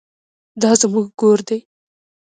دا زموږ ګور دی